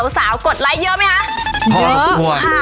สาวกดไลค์เยอะไหมคะเยอะค่ะ